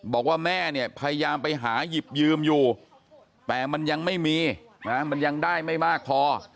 บอกว่าแม่เนี่ยพยายามไปหาหยิบยืมอยู่แต่มันยังไม่มีนะมันยังได้ไม่มากพอ